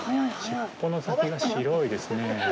尻尾の先が白いですねえ。